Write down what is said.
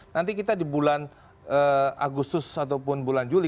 nanti kita di bulan agustus ataupun bulan juli